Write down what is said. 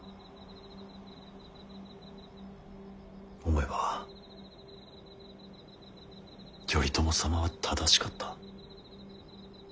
思えば頼朝様は正しかった。